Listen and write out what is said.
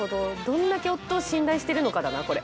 どんだけ夫を信頼してるのかだなこれ。